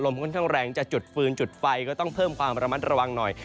ค่อนข้างแรงจะจุดฟืนจุดไฟก็ต้องเพิ่มความระมัดระวังหน่อย